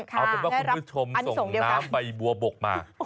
คุณผู้ชมส่งน้ำใบบัวบกมา